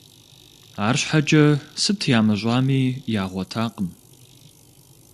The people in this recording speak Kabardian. АрщхьэкӀэ, сыт ямыщӀами, ягъуэтакъым.